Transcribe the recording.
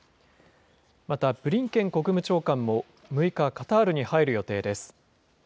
また、ブリンケン国務長官も６日カタールに入る予定です。